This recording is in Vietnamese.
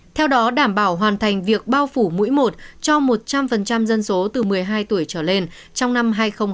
theo đó đảm bảo hoàn thành việc bao phủ mũi một cho một trăm linh dân số từ một mươi hai tuổi trở lên trong năm hai nghìn hai mươi